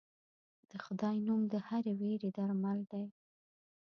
د خدای نوم د هرې وېرې درمل دی.